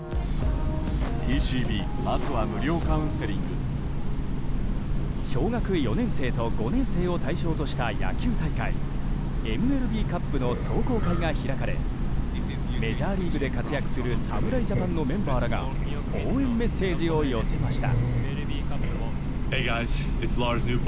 あぁ小学４年生と５年生を対象とした野球大会ＭＬＢカップの壮行会が開かれメジャーリーグで活躍する侍ジャパンのメンバーらが応援メッセージを寄せました。